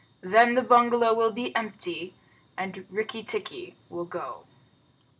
Then the bungalow will be empty, and Rikki tikki will go."